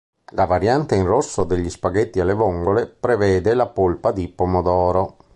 La variante "in rosso" degli spaghetti alle vongole prevede la polpa di pomodoro.